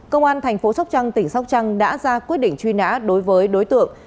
công an thành phố sóc trăng tỉnh sóc trăng đã ra quyết định truy nã đối với đối tượng